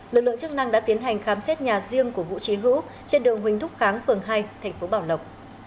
lực lượng chức năng đã tiến hành khám xét nhà riêng của vũ trí hữu trên đường huỳnh thúc kháng phường hai thành phố bảo lộc